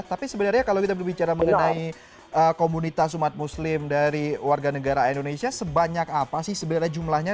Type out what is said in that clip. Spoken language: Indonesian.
tapi sebenarnya kalau kita berbicara mengenai komunitas umat muslim dari warga negara indonesia sebanyak apa sih sebenarnya jumlahnya